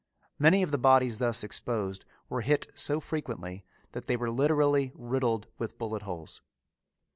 Many of the bodies thus exposed were hit so frequently that they were literally riddled with bullet holes.